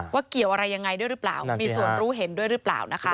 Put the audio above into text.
เกี่ยวอะไรยังไงด้วยหรือเปล่ามีส่วนรู้เห็นด้วยหรือเปล่านะคะ